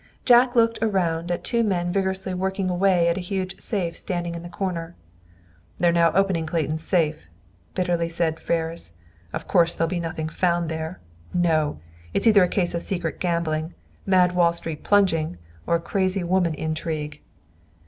Jack looked around at two men vigorously working away at a huge safe standing in the corner. "They're now opening Clayton's safe," bitterly said Ferris. "Of course, there will be nothing found there. No! It's either a case of secret gambling, mad Wall Street plunging, or a crazy woman intrigue."